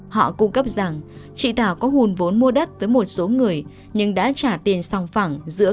họ cung cấp rằng chị thảo có hùn vốn mua đất với một số người nhưng đã trả tiền sòng phẳng dựa vào một số người